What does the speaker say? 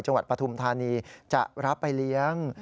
จังหวัดปฐุมธานีจะรับไปเลี้ยง